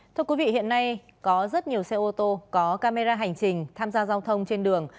thưa quý vị hiện nay có rất nhiều xe ô tô có camera hành trình tham gia giao thông trên đường